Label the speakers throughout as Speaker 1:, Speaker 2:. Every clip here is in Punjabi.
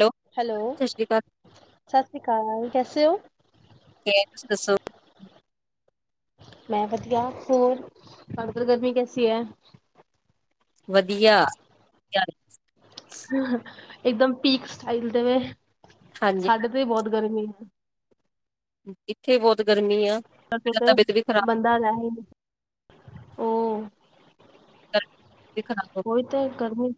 Speaker 1: ਹੈਲੋ
Speaker 2: ਹੈਲੋ,
Speaker 1: ਸਤਿ ਸ੍ਰੀ ਅਕਾਲ
Speaker 2: ਸਤ ਸ੍ਰੀ ਕਾਲ। ਸੇ ਔ।
Speaker 1: ਕੇ, ਤੁਸੀਂ ਦੱਸੋ?
Speaker 2: ਮੈਂ ਵਧੀਆ ਹੋਰ ਤਾਡੇ ਦਰ ਗਰਮੀ ਕੈਸੀ ਹੈ?
Speaker 1: ਵਧੀਆ।
Speaker 2: ਇੱਕਦਮ ਪੀਕ ਸਟਾਈਲ ਤੇਵੇ।
Speaker 1: ਹਾਂਜੀ
Speaker 2: ਸਾਡੇ ਤੇ ਵੀ ਬੌਤ ਗਰਮੀ ਏ।
Speaker 1: ਇੱਥੇ ਬੌਤ ਗਰਮੀ ਆ।
Speaker 2: ਐਦੇ
Speaker 1: ਮੇਰਾ
Speaker 2: ਤੇ
Speaker 1: ਤਬੀਅਤ ਵੀ ਖਰਾਬ
Speaker 2: ਬੰਦਾ ਰੈ ਹੀ ਨੀ ਓਹ
Speaker 1: ਗਰਮੀ ਵੀ ਖਰਾਬ ਹੋ ਗਈ।
Speaker 2: ਔਹੀ ਤਾਏ ਗਰਮੀ।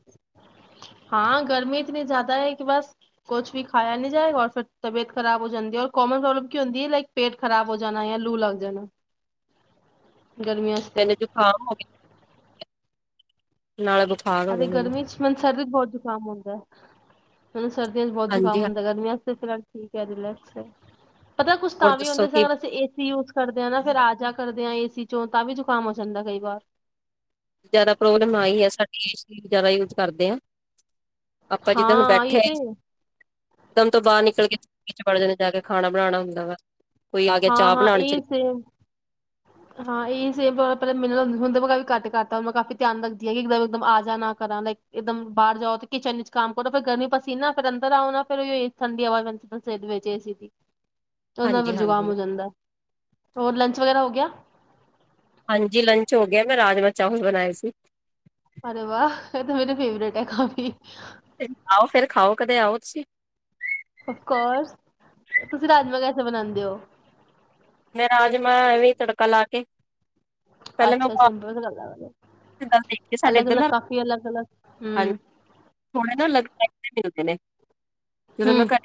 Speaker 2: ਹਾਂ, ਗਰਮੀ ਇਤਨੀ ਜੈਦਾ ਹੈ ਕਿ ਬਸ ਕੋਛ ਵੀ ਖਾਇਆ ਨੀ ਜਾਏਗਾ ਔਰ ਫੇਰ ਤਬੀਅਤ ਖਰਾਬ ਹੋ ਜਾਂਦੀ ਐ, ਔਰ ਕੋਮਨ ਪ੍ਰੋਬਲਮ ਕੀ ਹੁੰਦੀ ਏ ਲਾਈਕ ਪੇਟ ਖ਼ਰਾਬ ਹੋ ਜਾਨਾ ਯਾ ਲੂ ਲੱਗ ਜਾਣਾ। ਗਰਮੀਆਂ ਤੇ
Speaker 1: ਪੈਲੇ ਜੋਖਾਮ ਹੋ ਗਿਆ। ਨਾਲ ਬੁਖਾਰ ਹੋ
Speaker 2: ਐਤੇ
Speaker 1: ਗਿਆ ਮੈਨੂੰ
Speaker 2: ਗਰਮੀ ਚ ਮੈਨ ਸਰਦੀ ਚ ਬੌਤ ਜ਼ੁਕਾਮ ਹੁੰਦੈ। ਹੂੰ ਸ ਸਰਦੀਆਂ ਚ ਬੌਤ ਜ਼ੁਕ਼ਾਮ
Speaker 1: ਹਾਂਜੀ ਹਾਂ
Speaker 2: ਹੁੰਦੈ ਗਰਮੀਆਂ ਚ ਤੇ ਫਿਲਾਲ ਠੀਕ ਹੈ, ਰੀਲੈਕਸ ਹੈ। ਪਤਾ ਕੁਛ
Speaker 1: ਹੋਰ
Speaker 2: ਤਾਂ ਵੀ
Speaker 1: ਦੱਸੋ
Speaker 2: ਹੁੰਦੈ
Speaker 1: ਕਿ
Speaker 2: ਜਿਸਤਾ ਅਸੀ ਅਗਰ ਏਸੀ ਯੂਸ ਕਰਦੇ ਆਂ ਨਾ ਫੇਰ ਆ ਜਾ ਕਰ ਦੇ ਆ ਏਸੀ ਚੋਂ ਤਾਂ ਵੀ ਜ਼ੁਕਾਮ ਹੋ ਜਾਂਦੈ ਕਈ ਵਾਰ।
Speaker 1: ਜੈਦਾ ਪ੍ਰੋਬਲਮ ਆਈ ਹੈ ਸਾਡੀ ਏ ਸੀ ਜੈਦਾ ਯੂਜ ਕਰਦੇ ਆਂ। ਆਪਾਂ ਜਿੱਦਾਂ ਹੁਣ
Speaker 2: ਹਾਂ ਇਹ
Speaker 1: ਬੈਠੇ,
Speaker 2: ਤੇ
Speaker 1: ਇਕਦਮ ਤੋਂ ਬਾਰ ਨਿਕਲ ਗੇ। ਵਿਚ ਬੜ ਜਾਂਦੇ ਜਾ ਕੇ ਖਾਣਾ ਬਣਾਣਾ ਹੁੰਦਾ ਵਾ। ਕੋਈ ਆ ਗਿਆ
Speaker 2: ਹਾਂ
Speaker 1: ਚਾ
Speaker 2: ਹਾਂ
Speaker 1: ਬਣਾਣ ਚਲ
Speaker 2: ਇਹ ਸੇਮ ਹਾਂ, ਏਹੀ ਸੇਮ ਵ ਪਰੇ ਮਿਲੋ ਹੁੰ ਤੇ ਮੈਂ ਵੀ ਘੱਟ ਕਰਤਾ ਮੈਕਾ ਆਪੇ ਧਿਆਨ ਰੱਖਦੀ ਹੈਗੀ ਇਕਦਮ ਇਕਦਮ ਆ ਜਾ ਨਾ ਕਰਾਂ ਲਾਈਕ ਈਦਮ ਬਾਰ ਜਾਓ ਤੇ ਕਿਚਨ ਈਚ ਕੰਮ ਕਰੋ ਫੇਰ ਗਰਮੀ ਪਸੀਨਾ ਫੇਰ ਅੰਦਰ ਆਉ ਨਾ ਫੇਰ ਓਈਓ ਠੰਡੀ ਹਵਾ [unintelligible] ਸੇ ਵਿੱਚ ਏ ਸੀ ਦੀ। ਤੇ ਔਦੇਨਾ
Speaker 1: ਹਾਂਜੀ
Speaker 2: ਫੇਰ ਜ਼ੁਕਾਮ
Speaker 1: ਹਾਂਜੀ
Speaker 2: ਹੋ ਜਾਂਦੈਂ। ਹੋਰ ਲੰਚ ਵਗੈਰਾ ਹੋ ਗਿਆ।
Speaker 1: ਹਾਂਜੀ ਲੰਚ ਹੋ ਗਿਆ ਮੈਂ ਰਾਜਮਾ ਚਾਵਲ ਬਣਾਏ ਸੀ।
Speaker 2: ਅਰੇ ਵਾਹ ਇਹ ਤਾਂ ਮੇਰੇ ਫੇਵਰੇਟ ਹੈ ਕਾਫੀ
Speaker 1: ਆਓ ਫਿਰ ਖਾਓ ਕਦੇ ਆਓ ਤੁਸੀਂ
Speaker 2: ਆਫ ਕੋਰਸ ਤੁਸੀਂ ਰਾਜਮਾ ਕੈਸੇ ਬਣਾਉਂਦੇ ਹੋ
Speaker 1: ਮੈਂ ਰਾਜਮਾਂ ਐਵੇਂ ਤੜਕਾ ਲਾ ਕੇ ਪਹਿਲਾਂ
Speaker 2: ਅੱਛਾ
Speaker 1: ਨਾ
Speaker 2: ਸਿੰਪਲ ਗੱਲ ਆ।
Speaker 1: ਦੇਖ ਸਾਡੇ ਇੱਧਰ
Speaker 2: ਅਲੱਗ-ਅਲੱਗ
Speaker 1: ਨਾ
Speaker 2: ਕਾਫੀ ਅਲੱਗ-ਅਲੱਗ
Speaker 1: ਹਾਂ
Speaker 2: ਹੂੰ,
Speaker 1: ਥੋੜੇ ਨਾ ਅਲਗ ਮਿਲਦੇ ਨੇ ਜਦੋਂ ਮੈਂ
Speaker 2: ਹੂੰ
Speaker 1: ਘ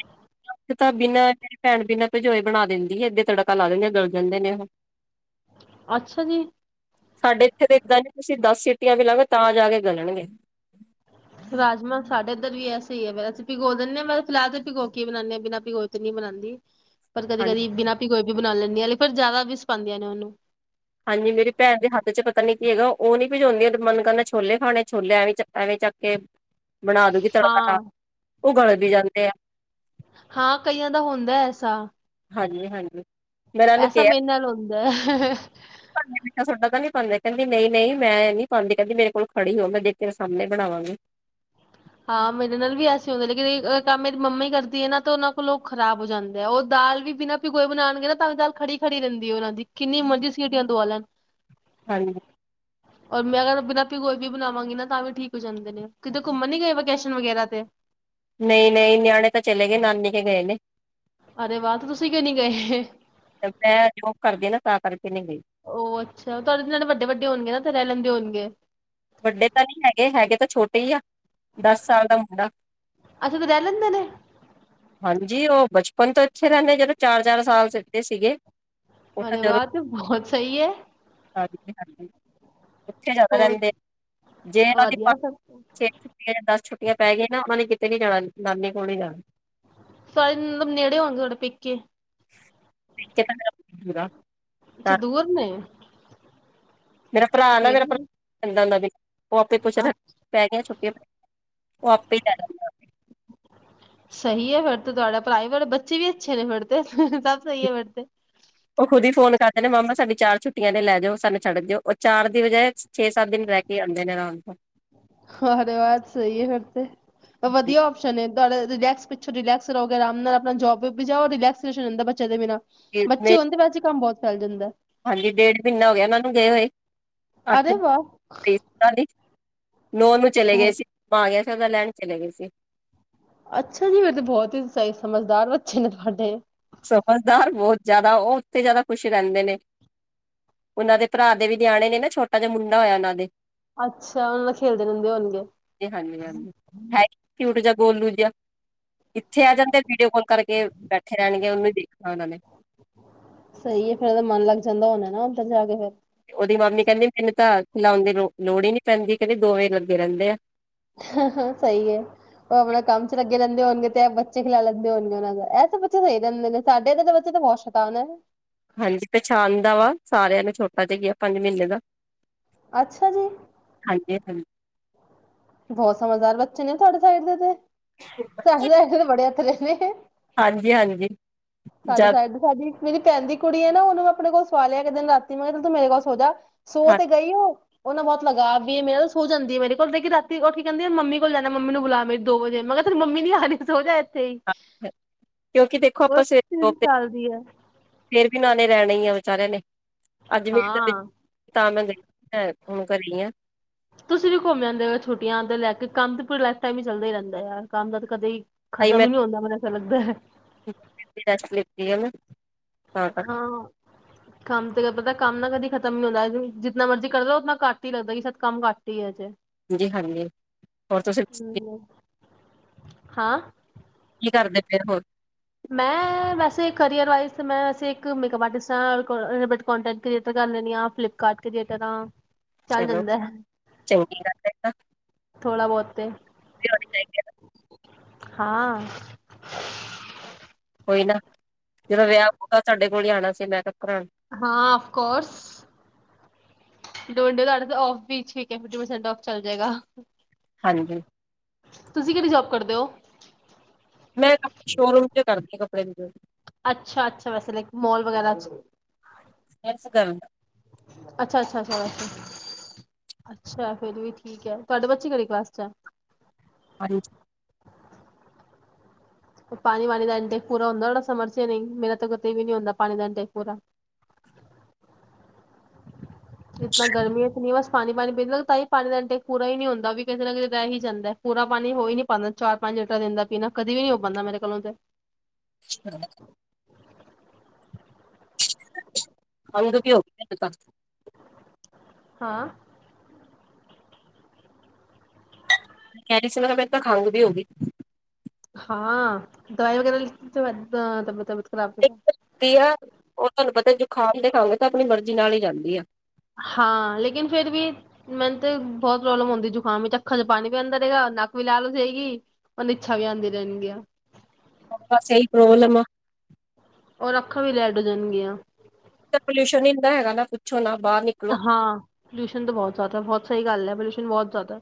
Speaker 1: ਤਾਂ ਬਿਨਾਂ ਭੈਣ ਬਿਨਾਂ ਭਜੋਏ ਬਣਾ ਦਿੰਦੀ ਸੀ ਇਏਧੇ ਤੜਕ ਪਕਾ ਲਾ ਲੈਂਦੇ ਗਲ ਜਾਂਦੇ ਨੇ ਉਹ
Speaker 2: ਅੱਛਾ ਜੀ
Speaker 1: ਸਾਡੇ ਇੱਥੇ ਤਾਂ ਇੱਦਾਂ ਨ ਤੁਸੀਂ ਦਸ ਸੀਟੀਆਂ ਵੀ ਲਾਗੇ ਤਾਂ ਜਾ ਕੇ ਗਲਣਗੇ
Speaker 2: ਰਾਜਮਾਂ ਸਾਡੇ ਇੱਧਰ ਵੀ ਐ ਸਹੀ ਹੀ ਹੈੇ ਅਸੀਂ ਪਿੋ ਦਿੰਦੇ ਹਾਂ ਮੈਂ ਫਿਲਹ ਤੇ ਭਿਗੋ ਕੀ ਬਣਾਉਦੇਾਂ ਬਿਨਾਂ ਪਿਕੋ ਤੇ ਨੀ ਬਣਾਉਂਦੀ ਪਰ ਕਦੀ
Speaker 1: ਹਾਂਜੀ
Speaker 2: ਕਦੀ ਬਿਨਾਂ ਕੋਈ ਵੀ ਬਣਾ ਲੈਂਦੀ ਹ ਫਿਰ ਜ਼ਿਆਦਾ ਵੀ ਸਿਾਉਂਦੀਆਂ ਨੇ ਉਹਨੂੰ
Speaker 1: ਹਾਂਜੀ ਮੇਰੀ ਭੈਣ ਦੇ ਹੱਥ ਚ ਪਤਾ ਨੀ ਕੀ ਹੈਗਾ ਉਹ ਨੀ ਭਜਾਉਂਦੀਆਂ ਮਨ ਕਰਨਾ ਛੋਲੇ ਖਾਣੇ ਛੋਲੇ ਐਵੇਂ ਐਵੇਂ ਚੱਕ ਕੇ ਬਣਾ ਦਗੀ ਤੜਕਾ ਦਾ
Speaker 2: ਹਾਂ।
Speaker 1: ਉਹ ਗਲ ਵੀ ਜਾਂਦੇ ਆ
Speaker 2: ਹਾਂ ਕਈਆਂ ਦਾ ਹੁੰਦਾ ਐਸਾ
Speaker 1: ਹਾਂਜੀ ਹਾਂਜੀ ਮੇਰਾਨੂੰ
Speaker 2: ਐਸਾ
Speaker 1: ਕਿਹਾਛ
Speaker 2: ਮੇਰੇ ਨਾਲ ਹੁੰਦਾ ਹੈ।
Speaker 1: ਤੁਹਾਡਾ ਤਾਂ ਨੀ ਪਾਉਂਦੇ ਕਹਿੰਦੀ ਨਹੀਂ ਨਹੀਂ ਮੈਂ ਨੀ ਪਾਉਦੀ ਕਹਿੰਦੀ ਮੇਰੇ ਕੋਲ ਖੜੀ ਹੋ ਮੈਂ ਦੇਖ ਕੇ ਸਾਹਮਣੇ ਬਣਾਵਾਂਗੀ
Speaker 2: ਹਾਂ ਮੇਰੇ ਨਾਲ ਵੀ ਐਸ ਹੁੰਦੇ ਲੇਕਿਨ ਕੰਮ ਮੇਰੀ ਮੰਮੀ ਕਰਦੀ ਹੈ ਨਾ ਤੇ ਉਹਨਾਂ ਕੋਲੋਂ ਖਰਾਬ ਹੋ ਜਾਂਦੇ ਆ ਉਹ ਦਾਲ ਵੀ ਬਿਨਾਂ ਪਿਗੋਏ ਬਣਾਉਣਗੇ ਨਾ ਤਾਂ ਵੀ ਦਾਲ ਖੜੀ ਖੜੀ ਰਹਿੰਦੀ ਹੈ ਉਹਨਾਂ ਦੀ ਕਿੰਨੀ ਐਮਰਜਸੀ ਹਟੀਆਂ ਦਵਾ ਲੈਣ
Speaker 1: ਹਾਂਜੀ
Speaker 2: ਔਰ ਮੈਂ ਅਗਰ ਬਿਨਾਂ ਆਪ ਗੋਈ ਵੀ ਬਣਾਵਾਂਗੀ ਨਾ ਤਾਂ ਵੀ ਠੀਕ ਹੋ ਜਾਂਦੇ ਨੇ ਕਿਤੇ ਘੁੰਮਣ ਨੀ ਗਏ ਵਕੇਸ਼ਨ ਵਗੈਰਾ ਤੇ
Speaker 1: ਨਹੀਂ ਨਹੀਂ ਨਿਆਣੇ ਤਾਂ ਚਲੇ ਗਏ ਨਾਨੀ ਕੇ ਗਏ ਨੇ
Speaker 2: ਅਰੇ ਵਾਹ ਤੇ ਤੁਸੀਂ ਕਿਉਂ ਨਹੀਂੀ ਗਏ
Speaker 1: ਮੈਂ ਜੋਬ ਕਰਦੀ ਨਾ ਤਾਂ ਕਰਦੇ
Speaker 2: ਉਹ ਅੱਛਾ ਤੁਹਾਡੇ ਨਾਲੇ ਵੱਡੇ ਵੱਡੇ ਹੋਣਗੇ ਨਾ ਤੇ ਰਹਿ ਲੈਂਦੇ ਹੋਣਗੇ
Speaker 1: ਵੱਡੇ ਤਾਂ ਨਹੀਂ ਹੈਗੇ ਹੈਗੇ ਤਾਂ ਛੋਟੇ ਹੀ ਆ ਦਸ ਸਾਲ ਦਾ ਮੁੰਡਾ
Speaker 2: ਅੱਛਾ ਤੇ ਰਹਿ ਲੈਂਦੇ ਨੇ
Speaker 1: ਹੁਣ ਤੋਂ ਅੱਛੇ ਰਹਿੰਦੇ ਜਦੋਂ ਚਾਰ ਚਾਰ ਸਾਲ ਸਿੱਧੇ ਸੀਗੇ ਉਹ ਤਾਂ
Speaker 2: ਅਰੇ
Speaker 1: ਜਦੋਂ
Speaker 2: ਵਾਹ ਏਂ ਤੇ ਬਹੁਤ ਸਹੀ ਹੈ
Speaker 1: ਹਾਂਜੀ ਜ਼ਿਆਦਾ
Speaker 2: ਹੋਰ
Speaker 1: ਰਹਿੰਦੇ ਜੇ ਉਹਦੀ
Speaker 2: ਵਧੀਆ ਫਿਰ ਤੇ।
Speaker 1: ਛੇ ਛੁੱਟੀਆਂ ਜਾਂ ਦਸ ਛੁੱਟੀਆਂ ਪੈ ਗਈ ਨਾ ਨੇ ਕਿਤੇ ਨੀ ਜਾਣਾ ਨਾਨੇ ਕੋਲ ਨੀ ਜਾਣਾ
Speaker 2: ਸਾਰੇ ਮਤਲਬ ਨੇੜੇ ਹੋਣਗੇ ਤੁਡੇ ਪੇਕੇ
Speaker 1: ਕਿਦਾ
Speaker 2: ਅੱਛਾ ਦੂਰ ਨੇ
Speaker 1: ਮੇਰਾ ਭਰਾ ਨਾ
Speaker 2: ਫੇਰ
Speaker 1: ਮੇਰਾ ਭਰ
Speaker 2: ਵੀ
Speaker 1: ਉਹ ਨ ਦੇ ਆਪੇ ਕੁੱਛ
Speaker 2: ਅੱਛਾ,
Speaker 1: ਰੱਖ ਪੈ ਗਿਆਆਂ ਛੁੱਟੀਆਂ ਪੈ ਉਹ ਆਪੇ ਲੈ ਜਾਂਦਾ ਆ ਕੇ
Speaker 2: ਸਹੀ ਹੈ ਫਿਰ ਤੇ ਤੁਹਾਡਾ ਭਰਾਅ ਬੱਚੇ ਵੀ ਅੱਛੇ ਨੇ ਫੜਦੇ ਸਭ ਸਹੀ ਹੈ ਫਿਰ ਤੇ
Speaker 1: ਉਹ ਖੁਦ ਹੀ ਫੋਨ ਕਰਦੇ ਨੇ ਮਾਮਾ ਸਾਡੀ ਚਾਰ ਛੁੱਟੀਆਂ ਦੇ ਲੈ ਜਾਓ ਸਾਨੂੰ ਛੱਡ ਜਾਓ ਉਹ ਚਾਰ ਦੀ ਬਜਾਏ ਛੇ ਸੱਤ ਦਿਨ ਰਹਿ ਕੇ ਆਉਂਦੇ ਨੇ ਅਰਾਮ ਨਾਲ
Speaker 2: ਅਰੇ ਬੋਹੁਤ ਸਹੀ ਹੈ ਫਿਰ ਤੇ ਵਧੀਆ ਓਸ਼ਨ ਤੁਹਾਡਾ ਰਿਲੈਕਸ ਪਿੱਛੋਂ ਰਿਲੈਕਸ ਰੋਗੇਰਾਮ ਨਾਲ ਆਪਣਾ ਜੋਬ ਵੀ ਜਾਓ ਰਿਲੈਕਸਸ਼ਨ ਰਹਦਾ ਬੱਚੇ ਦੇ ਬਨਾਂ ਬੱਚੇ ਹੁੰਦੇ ਵੈਸੈ ਕੰਮ ਬਹੁਤ ਚੱਲ ਜਾਂਦਾ
Speaker 1: ਹਾਂਜੀ ਡੇਢ ਮਹੀਨਾ ਹੋ ਗਿਆ ਉਹਨਾਂ ਨੂੰ ਗਏ ਹੋਏ ਅੱਠ
Speaker 2: ਅਰੇ ਵਾਹ
Speaker 1: [unintelligible] ਸਾਲ ਦੀ ਨੋ ਨੂੰ ਚਲੇ ਗਏ
Speaker 2: ਬਹੁਤ
Speaker 1: ਸੀ ਗ ਸ਼ਦਾ ਲੈਣ ਚਲੇ ਗਏ ਸੀ
Speaker 2: ਅੱਛਾ ਜੀ ਮੇ ਤੇ ਬਹੁਤ ਹੀ ਸਹੀ ਸਮਝਦਾਰ ਬੱਚੇ ਨੇ ਤੁਹਡੇ
Speaker 1: ਸਮਝਦਾਰ ਬਹੁਤ ਜ਼ਿਆਦਾ ਉਹ ਉੱਥੇ ਜ਼ਿਆਦਾ ਖੁਸ਼ ਰਹਿੰਦੇ ਨੇ ਉਹਨਾਂ ਦੇ ਭਰਾ ਦੇ ਵੀ ਨਿਆਣੇ ਨੇ ਨਾ ਛੋਟਾ ਜਿਹਾ ਮੁੰਡਾ ਹੋਇਆ ਉਹਨਾਂ ਦੇ
Speaker 2: ਅੱਛਾ ਉਹਨਾਂ ਨਾਲ ਖੇਲਦੇ ਰਹਿੰਦੇ ਹੋਣਗੇ
Speaker 1: ਬੋਲੂ ਜਿਆ ਇੱਥੇ ਆ ਜਾਂਦੇ ਵੀਡੀਓ ਕਾਲ ਕਰਕੇ ਬੈਠੇ ਰਹਿਣਗੇ ਉਹਨੂੰ ਹੀ ਦੇਖਣਾ ਉਹਨਾਂ ਨੇ
Speaker 2: ਸਹੀ ਹੈ ਫੇਿਰ ਓਦਾ ਮਨ ਲੱਗ ਜਾਂਦਾ ਹਣ ਨਾ ਚਲਾ ਗਿਆ ਫਿਰ
Speaker 1: ਉਹਦੀ ਮਾਮੀ ਕਹਿੰਦੀ ਮੈਨੂੰ ਤਾਂ ਖਲਾਉਣ ਦੀ ਲੋ ਲੋੜ ਹੀ ਨਹੀਂੀ ਪੈਂਦੀ ਕਹਿੰਦੀ ਦੋ ਵਜੇ ਲੱਗੇ ਰਹਿੰਦੇ ਆ
Speaker 2: ਸਹੀ ਹੈ ਉਹ ਆਪਣਾ ਕੰਮ ਚ ਲੱਗੇ ਰਹਦੇ ਹੋਣਗੇ ਤੇ ਬੱਚੇ ਖਿਲਾ ਲੈਂਦੇ ਹੋਣਗੇ ਉਹ ਦਾ ਐਸੇ ਬੱਚੇ ਸਹੀ ਰਹਿੰਦੇ ਨੇ ਸਾਡੇ ਇਦੇ ਬੱਚੇ ਤਾਂ ਬਹੁਤ ਸ਼ੈਤਾਨ ਆ
Speaker 1: ਹਾਂਜੀ ਪਛਾਣ ਦਾ ਵਾ ਸਾਰਿਆਂ ਨੇ ਛੋਟਾ ਜਿਹਾ ਹੀ ਆ ਪੰਜ ਮਹੀਨੇ ਦਾ
Speaker 2: ਅੱਛਾ ਜੀ
Speaker 1: ਹਾਂਜੀ ਹਾਂਜੀ
Speaker 2: ਬਹੁਤ ਸਮਝਦਾਰ ਬੱਚੇ ਨੇ ਤੁਹਾਡੇ ਸਾਈਡ ਦੇ ਤੇ [unintelligible] ਨੇ ਬੜੇ ਇੱਥਰੇ [unintelligible]
Speaker 1: ਹਾਂਜੀ ਹਾਂਜੀ
Speaker 2: ਸਾਡੇ
Speaker 1: ਜਦ
Speaker 2: ਸਾਈਡ ਸਾਡੀ ਮੇਰੀ ਭੈਣ ਦੀ ਕੁੜੀ ਹੈ ਨਾ ਉਹਨੂੰ ਆਪਣੇ ਕੋਲ ਸੋ ਆਲਿਆ ਇੱਕ ਦਿਨ ਰਾਤੀ ਮੈਂ ਕਿਹਾ ਮੇਰੇ ਕੋਲ ਸੋ ਜਾਾ ਸੌ
Speaker 1: ਹਾਂ
Speaker 2: ਤੇ ਗਈ ਓਹ ਉਹ ਨਾ ਬਹੁਤ ਲਗਾਅ ਵੀ ਮੇਰੇ ਤਾਂ ਸੋ ਜਾਂਦੀ ਮੇਰੇ ਕੋਲ ਲੇ ਰਾਤੀ ਉਹ ਕਹਿੰਦੀ ਮੰਮੀ ਕੋਲ ਜਾਣਾ ਮ ਮੰਮੀ ਨੂੰ ਬੁਲਾ ਮੇਰੀ ਦੋ ਵਜ ਮੈਂ ਕਿਹਾ ਤੇਰੀ ਮੰਮੀ ਨੀ ਆਹੀ ਸੋ ਜਾ ਹੈ ਇੱਥੇ ਹੀ
Speaker 1: ਕਿਉਂਕਿ ਦੇਖੋ
Speaker 2: ਉਹ
Speaker 1: ਆਪਾਂ
Speaker 2: ਤਿੰਨ
Speaker 1: ਸਵੇਰੇ
Speaker 2: ਸਾਲ ਦੀ ਹੈ
Speaker 1: ਫਿਰ ਵੀ ਨਾਲੇ ਰਹਿ ਜਾਣੀ ਆ ਵਿਚਾਰਿਆਂ ਨੇ ਅੱਜ [unintelligible]
Speaker 2: ਹਾਂ
Speaker 1: ਤਾਂ ਮੈਂ ਹੁਣ ਘਰੇ ਆ।
Speaker 2: ਤੁਸੀਂ ਵੀ ਘੁੰਮ ਜਾਂਦੇ ਹੋ ਛੁਟੀਆਂ ਤੇ ਲੈ ਕੇ ਕੰਮ ਤਾਂ ਪੂਰਾ ਟਾਈਮ ਹੀ ਚੱਲਦਾ ਹੀ ਰਹਿੰਦਾ ਆ ਕੰਮ ਦਾ ਤਾਂ ਕਦੇ ਖਤਮ ਹੀ ਨਹੀ ਹੁੰਦਾ ਚਲਦਾ
Speaker 1: ਲ ਮੈਂ [unintelligible] ਤਾਂ ਕਰਕੇ
Speaker 2: ਹਾਂ ਕੰਮ ਤੇ ਪਤਾ ਕੰਮ ਨਾ ਕਦੀ ਖਤਮ ਨੀ ਹੁੰਦਾ ਜਿਨਾ ਮਰਜ਼ੀ ਕਰਦਾ ਉਤਨਾ ਘੱਟ ਹੀ ਲੱਗਦਾ ਕਿ ਸ਼ਾਇਦ ਕੰਮ ਘੱਟ ਹੀ ਹੈਜੇ
Speaker 1: ਹਾਂਜੀ ਹਾਂਜੀ ਹੋਰ ਤੁਸੀਂ
Speaker 2: ਹੂੰ, ਹਾਂ।
Speaker 1: ਕੀ ਕਰਦੇ ਫੀਰ ਹੋਰ
Speaker 2: ਮੈਂ ਵੈਸੇ ਕਰੀਅਰ ਵਾਈਜ਼ ਮੈਂ ਵੈਸੇ ਇੱਕ ਮੇਕੱਪ ਆਰਟਿਸਟ ਹਾਂ ਕਟੈਂਟ ਕਰ੍ਰੀਏਟਰ ਕਰ ਲੈਦੀ ਆ ਫਲਿੱਪਕਾਰਟ ਕਰ੍ਰੀਏਟਰ ਹਾਂ। ਚੱਲ
Speaker 1: ਚਲੋ
Speaker 2: ਜਾਂਦਾ ਹੈ
Speaker 1: ਚੰਗੀ ਗੱਲ ਹੈ।
Speaker 2: ਥੋੜਾ ਬਹੁਤ ਤੇ
Speaker 1: ਵੀ ਹੋਣੀ ਚਾਹੀਦੀ ਹੈ
Speaker 2: ਹਾਂ
Speaker 1: ਕੋਈ ਨਾ ਜਦੋਂ ਵਿਆਹ ਹੋਗਾ ਸਾਡੇ ਕੋਲ ਆਣਾ ਸੀ ਮੈਂ ਕਿਹਾ।
Speaker 2: ਹਾਂ ਅਫ ਕੋਰਸ। [unintelligible] ਆਫ ਵੀ ਠੀਕ ਫਿਫਟੀ ਪਰਸੈਂਟਫ ਚੱਲ ਜਾਏਗਾ।
Speaker 1: ਹਾਂਜੀ
Speaker 2: ਤੁਸੀਂ ਕਿਹੜੀ ਜੋਬ ਕਰਦੇ ਹੋ।
Speaker 1: ਮੈਂ ਸ਼ੋਰੂਮ ਚ' ਕਰਦੀ [unintelligible]
Speaker 2: ਅੱਛਾ ਅੱਛਾ ਵੈਸੇ ਲਾਈਕ ਮੋਲ ਵਗੈਰਾ ਅੱਛਾ-
Speaker 1: ਯੈਸ ਗੱਲ
Speaker 2: ਅੱਛਾ ਅੱਛਾ ਵੈਸੇ ਅੱਛਾ ਫੇਿਰ ਵੀ ਠੀਕ ਹੈ। ਤੁਹਾਡੇ ਬੱਚੇ ਕਿੜੀ ਕਲਾਸ ਚ' ਆ
Speaker 1: ਹ [unintelligible]
Speaker 2: ਪਾਣੀ -ਪਾਣੀ ਦਾ ਇੰਟੈਕ ਪੂਰਾ ਹੁੰਦਾ ਸਮਰ ਸੀਵਰ ਦਾ ਪਾਣੀ ਨਹੀਂ ਮੇਰਾ ਤਾਂ ਕਤੇ ਵੀ ਨੀ ਹੁੰਦਾ ਪਾਣੀ ਦਾ ਇੰਟੈਕ ਪੂਰਾ। ਜਤਨਾ ਗਰਮੀ ਹੈ। ਇਤਨੀ ਬਸ ਪਾਣੀ ਪਾਣੀ ਪੀ ਲਾਤਾਂ ਹੀ ਪਾਣੀ ਦੇਣ ਟੈਕ ਪੂਰਾ ਹੀ ਨਹੀ ਹੁੰਦਾ ਵੀ ਕਿਤੇ ਨਾ ਕਿਤੇ ਰਹਿ ਹੀ ਜਾਂਦਾ ਪੂਰਾ ਪਾਣੀ ਹੋ ਹੀ ਨੀ ਪਾਉਂਦਾ ਚਾਰ ਪੰਜ ਲੀਟ ਦਿੰਦਾ ਪੀਣਾ ਕਦੇ ਵੀ ਨੀ ਹੋ ਪਾਉਦਾ ਮੇਰੇ ਕੋਲੋਂ ਤੇ
Speaker 1: ਅੱਛ [unintelligible] ਹ ਦੁ ਕੀੀ ਹੋ [unintelligible]
Speaker 2: ਹਾਂ-
Speaker 1: ਕੈਰੀ ਸੀ ਮੈਂ ਨੂਤਾਂ ਤਾਂ ਖਾਂਘ ਵੀ ਹੋਗੀ।
Speaker 2: ਹਾਂ ਦਵਾਈ ਵਗੈਰਾ ਲੀਤੀ ਵੱਧ ਤਬੀਅਤ ਖਰਾਬ ਹੋ
Speaker 1: ਆ ਉਹ ਤੁਹਾਨੂੰ ਪਤਾ [unintelligible] ਖਾ ਦੇ ਖੰਘ ਤਾਂ ਆਪਣੀ ਮਰਜ਼ੀ ਨਾਲ ਹੀ ਜਾਂਦੀ ਆ।
Speaker 2: ਹਾਂ ਲੇਕਿਨ ਫੇਿਰ ਵੀ ਮੈਨੂੰ ਤੇ ਬਹੁਤ ਪ੍ਰੋਬਲਮ ਆਉਂਦੀ ਜੁਕਾਮ ਵਿੱਚ ਅੱਖਾਂ ਚ ਪਾਣੀ ਵੀ ਆਉਂਦਾ ਰਹੇਗਾ ਨੱਕ ਵੀ ਲਾਲ ਹੋ ਜਾਏਗੀ ਨਿਛਾ ਵੀ ਆਉਂਦੀ ਰਹਿਣਗੀਆਂ।
Speaker 1: ਸਹੀ ਪ੍ਰੋਬਲਮ ਆ
Speaker 2: ਔਰ ਅੱਖਾਂ ਵੀ ਰੈਡ ਹੋ ਜਾਣਗੀਆਂ।
Speaker 1: ਪੋਲਿਊਸ਼ਨ ਹੀ ਹਦਾ ਹੈਗਾ ਨਾ ਕੁੱਛੋ ਨਾ। ਬਾਹਰ ਨਿਕਲੋ
Speaker 2: ਹਾਂ ਪੋਲਿਊਸ਼ਨ ਤਾਂ ਬਹੁਤ ਜ਼ਿਆਦਾ ਬਹੁਤ ਸਹੀ ਗੱਲ ਹੈ। ਪੋਲ ਬਹੁਤ ਜ਼ਿਆਦਾ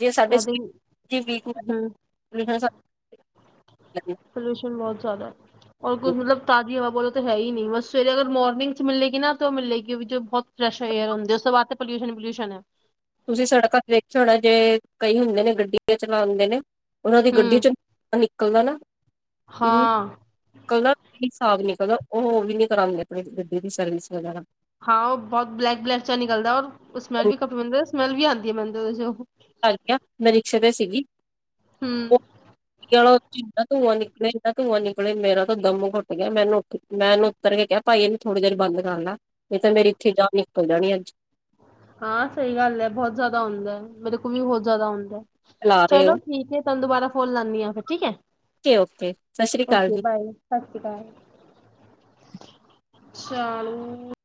Speaker 1: ਜੇ ਸਾਡੇ
Speaker 2: ਆਈ ਥਿੰਕ
Speaker 1: [unintelligible]
Speaker 2: ਪੋਲਿਊਸ਼ਨ ਬਹੁਤ ਜ਼ਿਆਦਾ ਔਰ ਕੋ ਮਤਲਬ ਤਾਜ਼ੀ ਹਵਾ ਓਹੋ ਤਾਂ ਹੈ ਹੀ ਨਹੀਂ ਲੋ ਤਾਂ ਹੈ ਹੀ ਨਹੀਂ ਸਵੇਰੇ ਅਗਰ ਮੋਰਨਿੰਗ ਚ ਮਿਲੇਗੀ ਨਾ ਤੇ ਉਹ ਮਿਲੇਗੀ ਵੀ ਜੋ ਬਹੁਤ ਫਰੈਸ਼ ਵਗੈਰਾ ਹੁੰਦੀ ਹੈ ਉਸ ਤੋਂ ਬਾਅਦ ਤੇ ਪਲਿਊਸ਼ਨ ਪੋਲਿਊਸ਼ਨ ਐ।
Speaker 1: ਤੁਸੀਂ ਸੜਕਾਂ ਤੇ ਦੇਖਿਆ ਹੋਣਾ ਜਿਵੇਂ ਕਈ ਹੁੰਦੇ ਨੇ ਗੱਡੀਆਂ ਚਲਾਂਦੇ ਨੇ ਉਹਨਾਂ ਦੀ ਗੱਡੀ ਚ ਨਿਕਲਦਾ ਨਾ [unintelligible] [unintelligible] [unintelligible] ਉਹ ਓਹ ਵੀ ਨੀ ਕਰਾਂਦੇ ਆਪਣੀ ਗੱਡੀ ਦੀ ਸਰਵਿਸ ਵਗੈਰਾ।
Speaker 2: ਹਾਂ, ਉਹ ਬਹੁਤ ਬਲੈਕ ਬਲੈਕ ਚ ਨਿਕਲਦਾ ਔਰ ਉਸ ਨਾਲ ਵੀ [unintelligible] ਸਮੈਲ ਵੀ ਆਂਦੀ ਐ ਮੈਨੂੰ ਤਾਂ ਵੈਸੇ ਓਹ।
Speaker 1: [unintelligible] ਮੈ ਰਿਕਸ਼ੇ ਤੇ ਸੀਗੀ। [unintelligible] ਧੂੰਆਂ ਨਿਕਲਿਆ [unintelligible] ਧੂੰਆਂ ਨਿਕਲੇ ਮੇਰਾ ਤੋਂ ਦਮ ਘੁੱਟ ਗਿਆ ਮੈਨੂੰ ਮੈਂ ਉਹਨੂੰ ਉਤਰ ਕੇ ਕਿਹਾ ਭਾਈ ਇਹਨੂੰ ਥੋੜੀ ਦੇਰ ਬੰਦ ਕਰ ਲਾ ਨਹੀਂ ਤਾਂ ਮੇਰੀ ਇੱਥੇ ਜਾਨ ਨਿਕਲ ਜਾਣੀ ਅੱਜ।
Speaker 2: ਹਾਂ, ਸਹੀ ਗੱਲ ਐ ਬਹੁਤ ਜ਼ਿਆਦਾ ਹੁੰਂਦਾ ਮੇਰੇ ਕੋਲ ਵੀ ਬਹੁਤ ਜ਼ਿਆਦਾ ਹੁੰਂਦਾ।
Speaker 1: ਚਲਾ ਰਹੇ ਹੋ
Speaker 2: ਚਲੋ ਠੀਕ ਐ। ਤੁਹਾਨੂੰ ਦੁਬਾਰਾ ਫੋਨ ਲਾਨੀ ਆ ਫਿਰ ਠੀਕ ਆ।
Speaker 1: ਓਕੇ ਓਕੇ ਸਤਿ ਸ੍ਰੀ ਅਕਾਲ ਜੀ।
Speaker 2: ਸ਼ਾਲੂ